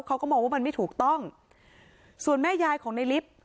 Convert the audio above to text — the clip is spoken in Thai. เขาก็มองว่ามันไม่ถูกต้องส่วนแม่ยายของในลิฟต์